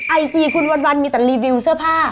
ไอจีคุณวันมีแต่รีวิวเสื้อผ้า